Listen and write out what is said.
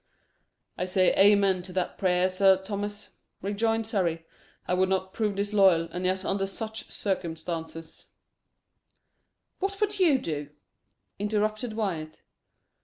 "I say amen to that prayer, Sir Thomas," rejoined Surrey "I would not prove disloyal, and yet under such circumstances " "What would you do?" interrupted Wyat.